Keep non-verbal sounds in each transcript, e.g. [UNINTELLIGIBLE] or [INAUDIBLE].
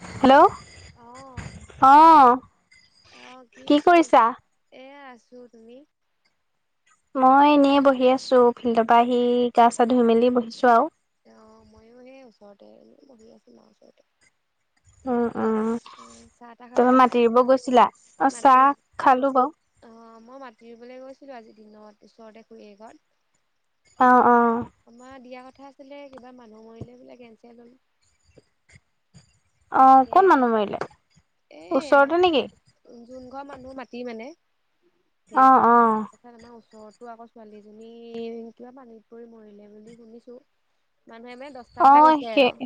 Hello, অঁ অ অঁ কি কৰি এয়া আছোঁ, তুমি? মই এনেই বহি আছোঁ, ফিল্ডৰ পৰা আহি গা চা ধুই মেলি বহিছোঁ আও। অঁ ময়ো সেই ওচৰতেনে বহি আছো মাৰ ওচৰতে। উম উম, অ চাহ তাহ খালা তুমি মাটি ৰুৱ গৈছিলা, অঁ চাহ খালো বাৰু। অঁ মই মাতি ৰুৱলৈ গৈছিলো আজি দিনত, ওচৰতে খুৰীয়ে ঘৰত। অ তা অ পা তোমাৰ দিয়া কথা আছিলে কিবা মানুহ মৰিলে বোলে কেনচেল হল। অ তাকে ক'ত মানুহ মৰিলে? এ ওচৰতে নেকি? যোন ঘৰ মানুহ মাটি মানে [INAUDIBLE] অ অ তাত আমাৰ ওচৰতো আকৌ ছোৱালীজনী কিবা পানীত পৰি মৰিলে বুলি শুনিছো। মানুহে মানে দশটা অ কথা গৈছে সেই অৱে।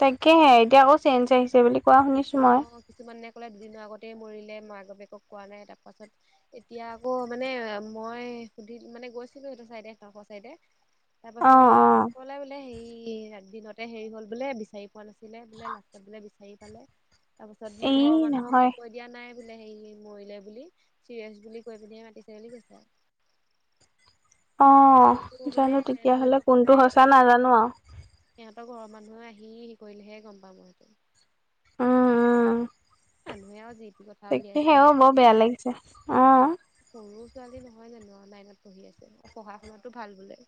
তাকেহে এতিয়া আকৌ চেঞ্জ আহিছে বুলি কোৱা শুনিছো মই। অ' কিছুমানে ক'লে দুদিনৰ আগতেই মৰিলে, মাক বাপেকক কোৱা নাই তাৰ পাছত এতিয়া আকৌ মানে মই সুধিত মানে গৈছিলো সেইটো চাইডে কাষৰ চাইডে তাৰ অ অ পাছত কলে বোলে হেৰি একদিনতে হেৰি হল বোলে বিচাৰি পোৱা না ছিলে বোলে লাষ্টত বোলে বিচাৰি পালে, তাৰ পিছত এই ঘৰৰ নহয় মানুহক কৈ দিয়া নাই বোলে, হেই মৰিলে বুলি চিৰিয়াচ বুলি কৈ পিনিহে মাতিছে বুলি কৈছে। অ সটো মানে জানো তেতিয়াহ'লে ধৰিব পৰা কোনটো নাই সঁচা কথাটো। নাজানো আৰু সিহঁতৰ ঘৰৰ মানুহ আহি কৰিলেহে গম পাম মই সেইঁটো। উম উম মানুহে যি টি কথা উলিয়াইছে তাকেহে আৰু ঔ বৰ বেয়া লাগিছে, অঁ। সৰু ছোৱালী নহয় জানো, নাইনত পঢ়ি আছে পঢ়া শুনাতো ভাল বোলে।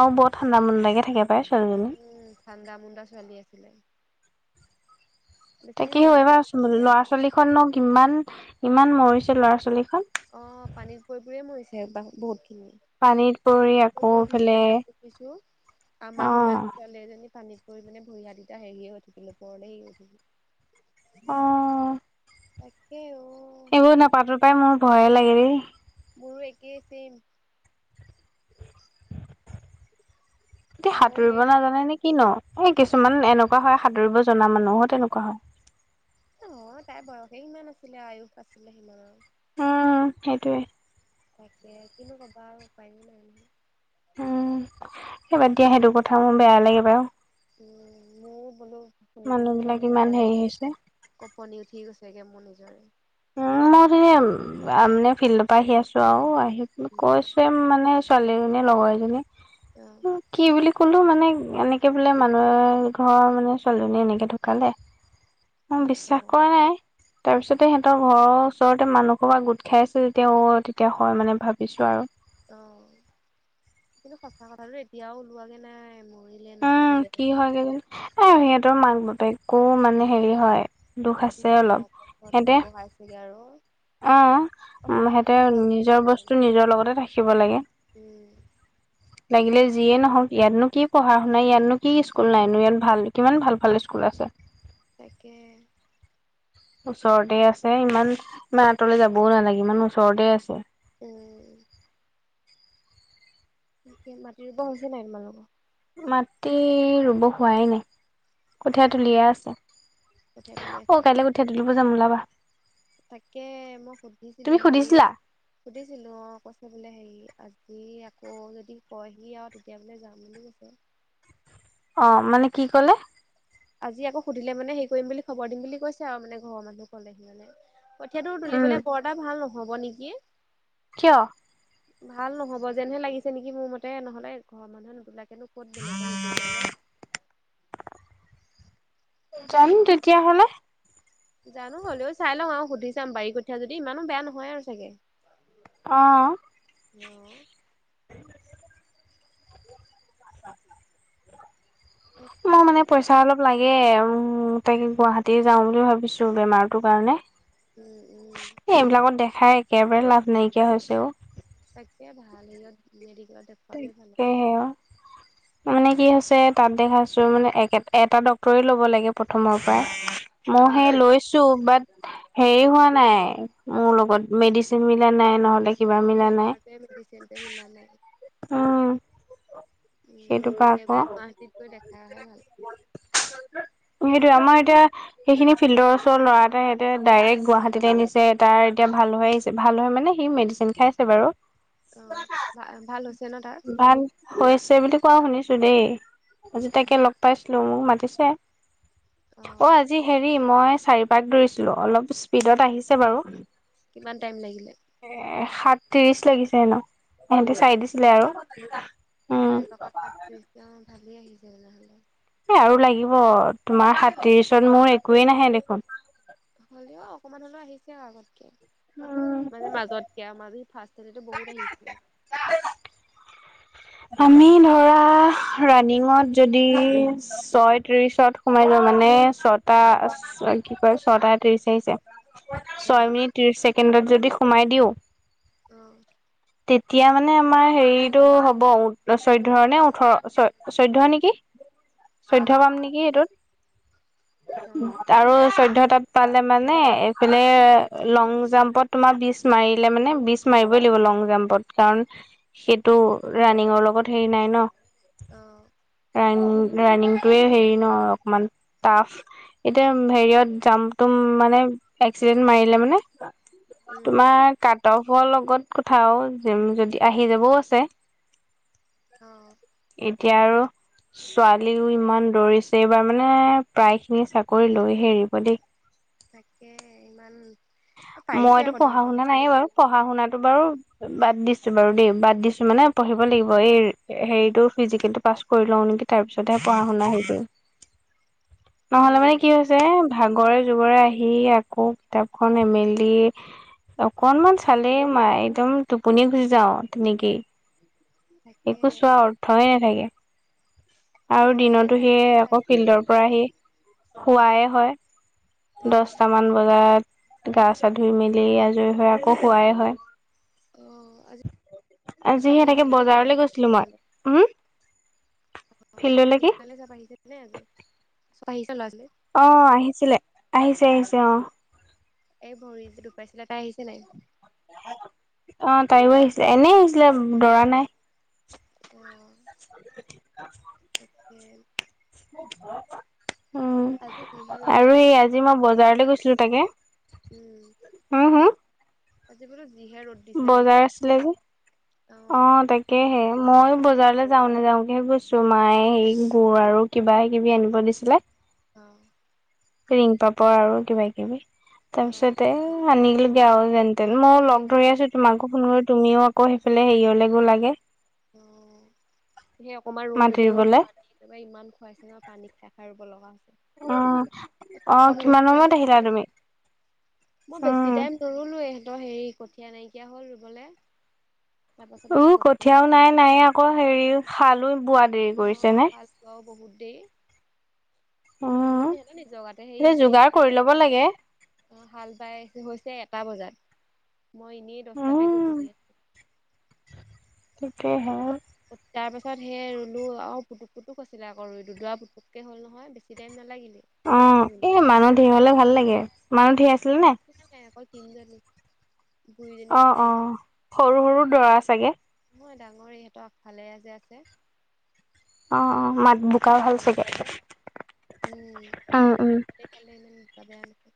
আৰু বৰ ঠাণ্ডা মন লাগে থাকে পায়। উম ঠাণ্ডা মুণ্ডা ছোৱালী আছিলে। বেছি দিন তাকেহে হোৱাই নাছিলে এইবাৰ বিয়া ল'ৰা হোৱা। ছোৱালী খননো কিমান ইমান মৰিছে ল'ৰা ছোৱালীখন। অঁ পানীত পৰি পৰি মৰিছে এইবাৰ বহুতখিনি। পানীত পৰি সেনেকৈ আকৌ মই এইফালে ভিডিঅ এটাত দেখিছোঁ, অ আমাৰ সমনীয়া ছোৱালী এজনী পানীত পৰি মানে ভূৰি হাত কিটা হেৰিয়ে হৈ থাকিলে ওপৰলে হেৰি হৈ অ থাকিল। তাকে ঔ। তোৰ নাপাতো পাই মোৰ ভয়ে লাগে দেই। মোৰো একেই চেইম। এতিয়া মইও সাঁতুৰিব সেই নাজানে কিনো এই কিছুমান এনেকুৱা হয় সাঁতুৰিব জনা মানুহো তেনেকুৱা হয়। নহত, তাইৰ বয়সে সিমান আছিলে আয়ুস আছিলে সিমানৰ। উম, সেইটোৱে। তাকে কিনো ক'বা আৰু উপায় নাই নহয়। উম, এই বাদ দিয়া সেইটো কথা মোৰ বেয়া লাগে বাৰু। উম মোৰ বোলো শুনি মানুহ পিনি মোৰ বিলাক মানে ইমান এনেকুৱা হেৰি লাগিছে হৈছে কপনি উঠি গৈছেগে, মোৰ নিজৰে উম মই সেয়া মানে ফিল্ডৰ পৰা আহি আছো আও আহি কৈছোঁ। প্ৰেম মানে ছোৱালী এজনী লগৰ এজনী [INAUDIBLE] কি বুলি ক'লো মানে এনেকে বোলে মানুহৰ ঘৰৰ মানে ছোৱালীজনীয়ে এনেকে ঢুকালে মোক বিশ্বাস কৰা নাই তাৰপিছতে সহ ত ত ঘৰৰ ওচৰতে মানুহসৰ বা পৰা গোট খাই আছে তেতিয়া তেতিয়া হয় মানে ভাবিছো আৰু। অ কিন্তু সঁচা কথাটো এতিয়াও ওলোৱাগে নাই মোৰ উম কি হয় কি এ সিহঁতৰ মাক বাপেকো মানে হেৰি হয় দুখ আছে অলপ সিহঁতে তেনেকে আৰু অ', অ পঢ়া সিহঁতে শুনাত ভাল নিজৰ হৈছে। বস্তু নিজৰ লগতে থাকিব লাগে। উম লাগিলে যিয়ে নহওক ইয়াতনো কি পঢ়া শুনা ইয়াতনো কি স্কুল নাইনো ইয়াত ভাল কিমান ভাল ভাল স্কুল আছে। তাকে ওচৰতে আছে ইমান ইমান আঁতৰলে যাবও নালাগে ইমান ওচৰতে আছে। উম। এয়া মাটি ৰুব হৈছে নাই তোমালোকৰ? মাটি ৰুব হোৱাই নাই। কঠীয়া তুলিয়ে আছে কঠীয়া তুলি অ আছে কাইলে কঠীয়া তুলিব যাম ওলাবা। তাকে মই সুধিছিলো তুমি হেৰি সুধিছিলা সুধিছিলোঁ অঁ কৈছে বোলে হেৰি আজি আকৌ যদি কয়হি আৰু তেতিয়া বোলে যাম বুলি কৈছে। অ', মানে কি ক'লে? আজি আকৌ সুধিলে মানে হেৰি কৰিম বুলি খবৰ দিম বুলি কৈছে আৰু মানে ঘৰৰ মানুহ ক'লেহি মানে। কঠীয়াটো উম তুলিবলৈ বৰ এটা ভাল নহব নেকি? কিয়? ভাল নহ'ব যেনহে লাগিছে নেকি মোৰ মতে নহলে ঘৰৰ মানুহে নুবিলাকেনো ক'ত বেলেগকে হেৰিলে হ'লে যাম উম। তেতিয়া হ'লে। জানো হ'লেও চাই লওঁ আৰু সুধি চাম বাৰী কঠীয়া যদি ইমানো বেয়া নহয় আৰু চাগে। অ'। অ'। তাকে। মই মানে পইচা অলপ লাগে উ তাকে গুৱাহাটী যাওঁ বুলি ভাবিছো বেমাৰটো কাৰণে উম উম। এ এইবিলাকত দেখাই একেবাৰে লাভ নাইকিয়া হৈছেও। তাকে ভাল হেয়ত মেডিকেলত দে তাকেহে মানে কি হৈছে তাত দেখাইছো মানে এটা ডক্তৰে ল'ব লাগে প্ৰথমৰ পৰা। মই উম, সেই লৈছো বাট হেৰি হোৱা নাই মোৰ লগত মেডিচিন মিলা নাই নহ'লে। কিবা মিলা নাই। বেমাৰ মেডিচিনট মিলা নাই। উম। উম, সেইটো পৰা আকৌ একেবাৰে গুৱাহাটীত গৈ দেখাই অহায়ে ভাল। সেইটোৱে আমাৰ এতিয়া সেইখিনি ফিল্ডৰ ওচৰ ল'ৰা এটা এতিয়া ডাইৰেক্ট গুৱাহাটীতে নিছে তাৰ এতিয়া ভাল হৈ আহিছে ভাল হয় মানে সি মে খাইছে বাৰু। অ ভাল হৈছে ন তাৰ? ভাল হৈছে বুলি কোৱা শুনিছো দেই। আজি তাকে লগ পাইছিলো মোক মাতিছে। অ আজি হেৰি মই চাৰিপাক দৌৰিছিলো অলপ স্পীডত আহিছে বাৰু। কিমান টাইম লাগিলে? এ সাত ত্ৰিশ লাগিছে হেনো ইহেঁতে চাই দিছিলে আৰু। উম চাৰিপাকত সাত ত্ৰীশ। অ ভালেই আহিছে তেনেহ'লে। এই আৰু লাগিব তোমাৰ সাতত্ৰিশত মোৰ একোৱেই নাহে দেখোন। হ'লেও অকমান হ'লেও আহিছে আগতকে মানে মাজতকে মাজি ফাৰ বহুত আহিছিলে। আমি ধৰা ৰানিঙত যদি ছয় ত্ৰিশত সোমাই যোৱা মানে ছটা কি কয় ছটা ত্ৰিশ আহিছে অ', ছয় মিনিট ত্ৰিশ ছেকেণ্ডত যদি সোমাই দিওঁ, অঁ তেতিয়া মানে আমাৰ হেৰিতটো হ'ব চৈধ্যয় নে ওঠৰ চ চৈধ্য নেকি? [INAUDIBLE] চৈধ্য অ', পাম নেকি এইটোত? জানো আৰু চৈধ্য তাত পালে মানে এইফালে লং জাম্পত তোমাৰ বিছ মাৰিলে মানে, বীছ মাৰিবই লাগিব লং জাম্প জাম্পত। কাৰণ সেইটো ৰাণিঙৰ লগত হেৰি নাই ন? অঁ ৰাণিংটোৱ হেৰি ন অকমান টাফ? এতিয়া তাকে হেৰিয়ত জাম্পটো মানে এক্সিডেন্ট মাৰিলে মানে উম তোমাৰ কাটফৰ লগত কথা অ' যদি আহি যাবও আছে। অ এতিয়া আৰু ছোৱালীও ইমান দৌৰিছে, এইবাৰ মানে প্ৰায় খিনি চাকৰি লৈ হে এৰিব দেই। তাকে ইমান অ', পাৰিছে মইতো আকৌ পঢ়া ধৰিব শুনা সেইটো নাইে বাৰু পঢ়া শুনাতটো বাৰু বাদ দিছো বাৰু দেই। বাদ দিছো মানে পঢ়িব লাগিব এই হেৰিতটো ফিজিকেলটো পাচ কৰি লওঁ নেকি? তাৰপিছতহে পঢ়া শুনা আহি কৰিম। [INAUDIBLE] নহলে মানে কি হৈছে ভাগৰে যুগৰে আহি আকৌ কিতাপখন মেলি অকনমান চালেই একদম টোপনি গুচি যাওঁ তেনেকেই। তাকে একো চোৱা অৰ্থয়ে নাথাকে। এই আৰু মোবাইলতে দিনতো চাই সেয়ে চাই পাই আকৌ, ফিল্ডৰ পৰা আহি শুৱাই হয়। অ', দহটামান বজাত গা -চা ধুই মেলি আজৰি হয়। আকৌ শুৱাই হয়। অ আজি, আজি চব সেনেকে আহিছিলে নে তালে বজাৰলৈ গৈছিলো মই, ফিল্ডলে উম ফিল্ডলৈকে? [UNINTELLIGIBLE] অ আহিছিলে, আহিছে -আহিছে অ' এই ভৰিত যে দুখ পাইছিলে তাই আহিছে নে নাই? অ তাইও আহিছিলে, এনে আহিছিলে দৌৰা নাই। অ [INAUDIBLE] হয় তাকে উম আজি যিহে ৰ'দ আৰু দিছে ন এই আজি মই দিনা বজাৰলৈ গৈছিলোঁ, তাকে। উম, হুম হুম? আজি বোলো যিহে ৰ'দ। দিছে বোলো বজাৰ আছিলে যে, অ তাকে। তাকেহে মইো বজাৰলৈ যাওঁ নেযাওঁকেহে গৈছো, মায়ে সেই গুৰ আৰু কিবা কিবি আনিব দিছিলে। অ। ৰিং পাপৰ আৰু কিবা কিবি। তাৰ অ', পিছতে আনিলো গেৱাও যেনতেন মই লগ ধৰি আছোঁ। মাকো ফোন কৰি তুমিও আকৌ সেইফালে হেৰিয়লে গ'লা গে। অ সেই অকমান ৰুম মাটি তেনেও ৰুবলে। পানী। ত‌ই ইমান খুৱাইছে নহয় পানীক খাই খাই ৰুব লগা হৈছে। উম, অ প্ৰথম কিমান গৈছো যে সময়ত মই আহিলা আজি তুমি? মই বেছি উম। টাইম নোৰুলো ইহঁতৰ হেৰি কঠীয়া নাইকিয়া হ'ল ৰুবলৈ। উ কঠিয়াও নাই তুলিলে নাই আকৌ হেৰি হালো বোৱা দেৰি কৰিছে নে? হাল অ বহুত দেৰি মই। উম নিজগাতে সেই এ সিহঁতি যোগাৰ সৈফাল কৰি ল'ব পাইছে। লাগে অঁ হাল বাই হৈছে এটা বজাত মই এনেই দহটাতে গৈ উম বহি আছো। তেতিয়া হে তাৰ পাছত সেই ৰুলো আৰু পুটুক পুটুক হৈছিলে আক ৰুৱা পুটুককে হ'ল নহয় বেছি টাইম নালাগিলে। অ ৰুওঁতে এই মানুহ ধেৰ হ'লে ভাল লাগে, মানুহ ধেৰ আছিলে নে নাই? কোনো নাই অকল‌ তিনিজনি। অ' অ। সৰু, সৰু দৰা চাগে। মই ডাঙৰে, ইহঁতৰ আগফালে যে আছে। অ, অ। এই মাত বোকাও হ'ল চাগে। উ। উম উম এইফালে ইমান বোকা বেয়া নহয়।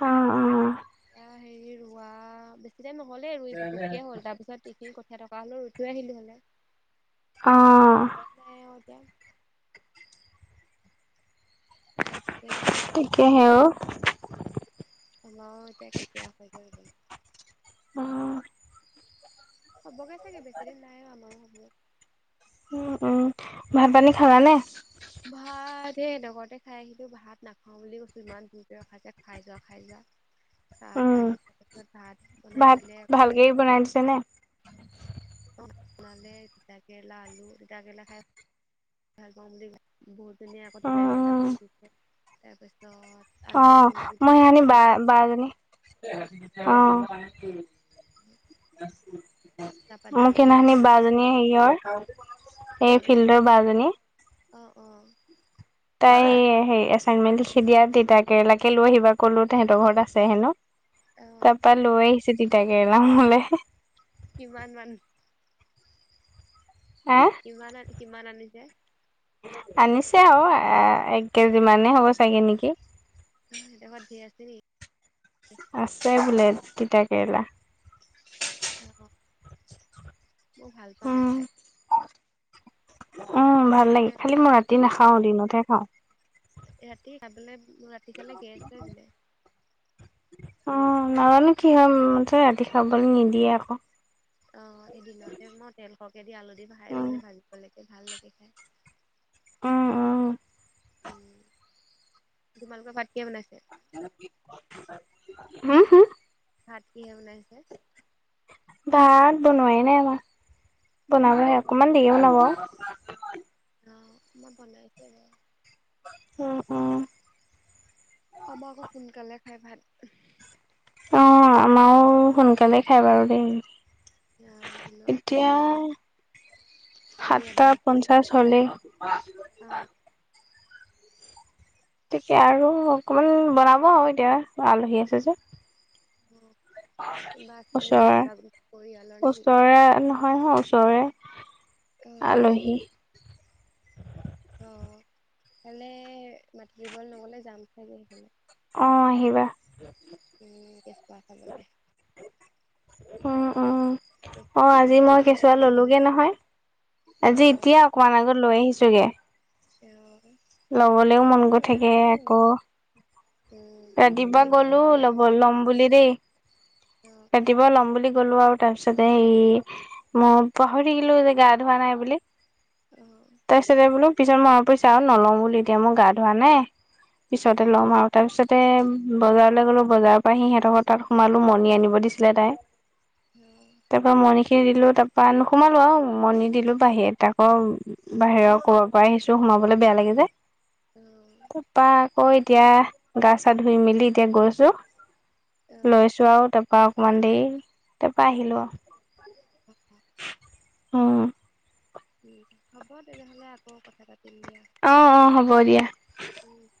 অ, অ। এয়া, হেৰি ৰোৱা, বেছি টাইম নহ'লে, ৰুই পুটোককে হ'ল। তাৰ পিছত এইটিৰ কঠীয়া। পৰা হ'লে ৰুই থৈ আহিলো হ'লে। অ। নেখায় অ এতিয়া। তাকে। একে সে ও। ন এতিয়া কেতিয়া হয় গৈ। অ। হ'বগে চাগে বেছি দিন নাই আৰু আমাৰ সময়ত। উ, উম। ভাত পানী খালানে? ভাত, হেই ঘৰতে খাই আহিলো, ভাত নাখাও বুলি কৈছো। ইমান যোৰকে ৰখাইছে খাই যোৱা, খাই যা। চাহ উম খালো, তাৰ পিছত ভাত বনাই ভাত দিলে আকৌ। ভালকে বনাই দিছে নে? ভাত বনালে, তিতাকেৰেলা, আলু। তিতাকেৰেলা খাই ভাল পাওঁ বুলি যে বহুত। টুনি আকৌ উম তিতাকেৰেলা উম ভাজি দিছে, তাৰপিছত। অ'। আলুৱে মই গুনগুটিয়াই সেহনি বুটে বা বাৰজনী, অ'। [UNINTELLIGIBLE] তাৰপা মোক দালি সেইনাখনি ঔটেঙা বাজনী হেৰিয়ৰ, ক'ৰ এই ফিল্ডৰ বাজনী। অ', অ। তাই হেৰি এচাইনমেণ্ট লিখি দিয়া, তিতা কেৰেলাকে লৈ আহিবা ক'লো তেহেতৰ ঘৰত আছে হেনো। অ তাৰপা লৈ আহিছে তিতাকেৰেলা মোলে। কিমান মান? হা? কিমান আন কিমান আনিছে? আনিছে আৰু এ এক কেজি মানেই হ'ব চাগে নেকি। অ সেঁতৰ ঘৰত ধেৰ আছে নেকি? আছে বোলে, তিতা কেৰেলা। অ, অ মই ভাল পাও উম খাই উম ভাল লাগে, খালি মই ৰাতি নাখাও দিনতহে খাও। ৰাতি খাবলৈ ৰাতি খালে গেছ হয় বোলে অ নাজানো কি হয় মুঠতে ৰাতি খাবলৈ নিদিয়ে আকৌ। অ এদিনতে মই তেল সৰকে দি আলু দি খাই উম মানে ভাজিব লাগে ভাল লাগে খাই। উ উ উম, তোমালোকৰ ভাত কিহে বনাইছে? উ হু হু। ভাত কিহে বনাইছে? ভাত বনোৱাই নাই আমাৰ বনাবহে, অকনমান দেৰিকে বনাব। অ মই বনাইছো আৰু উম উম। আমাকো সোনকালে খাই ভাত। অ আমাৰো সোনকালে খাই বাৰু দেই। অ দিনত এতিয়া হেৰি যে আমি সাতটা এবাৰ খাওঁ। পঞ্চাছ হলেই অ। তেতিয়া আৰু অকণমান বনাব আৰু এতিয়া, আলহী আছে যে। অ'। কোনোবা আছে নেকি ওচৰে কোনোবা পৰিয়ালৰ নেকি? ওচৰে ন হয়, হয় ওচৰৰে অ', অ', আলহী। অ সেফালে মাটিব নগলে যাম চাগে সেইফালে। অ আহিবা। উম কেছোৱা এটা ললে। উম, উম অ আজি উম, মই কেঁচুৱা কেঁচুৱালীজনী ললোগে নহয় আজি অ', এতিয়া অকণমান আগত লৈ আহিছোগে। উম ল'বলৈও মন গৈ থাকে আকৌ উম ৰাতিপুৱা ফুলি ফুলি গলো ধুনীয়া লব হ'ব অ'। লম বুলি দেই অ', তা ক ল'ম বুলি গ'লো আও তাৰ পিছতে সেই মই পাহৰি থাকিলো যে গা ধোৱা নাই বুলি। অ তাৰ পিছতে বোলো পিছত মনত পৰিছে আও নলম বুলি এতিয়া মই গা ধোৱা নাই পিছতে ল'ম আৰু তাৰপিছত তে বজাৰলৈ গ'লো বজাৰৰ পৰা আহি সিহঁতৰ ঘৰৰ তাত সোমালো মণি আনিব দিছিলে তাই। উম তাৰপৰা মণিখিনি দিলো তাৰপৰা নোসোমালো আও মণি দিলো বাহিৰত আকৌ বাহিৰৰ কৰ'ৰ পৰা আহিছো সোমাবলৈ বেয়া লাগে যে। উম, তাপা আকৌ এতিয়া গা চা ধুই মেলি এতিয়া গৈছো। লৈছো আৰু তাৰপা অকমান দেৰি তাৰপা আহিলো আৰু। [UNINTELLIGIBLE] উম, হ'ব তেনেহ'লে আকৌ কথা পাতিম দিয়া। অ', অ', হ'ব দিয়া। উম।